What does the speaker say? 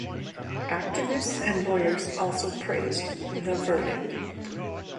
Activists and lawyers also praised the verdict.